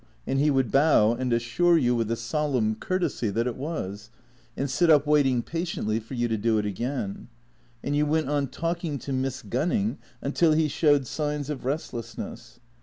and he would bow and assure you, with a solemn courtesy, that it was, and sit up waiting pa tiently for you to do it again; and you went on talking to Miss Gunning until he showed signs of restlessness.